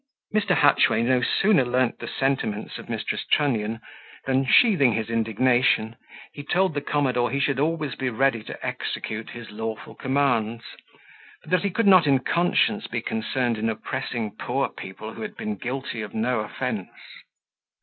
Mr. Hatchway no sooner learnt the sentiments of Mrs. Trunnion, than, sheathing his indignation, he told the commodore he should always be ready to execute his lawful commands; but that he could not in conscience be concerned in oppressing poor people who had been guilty of no offence.